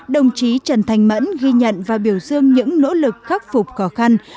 đồng chí trần thanh mẫn ghi nhận và biểu dương những nỗ lực khắc phục khó khăn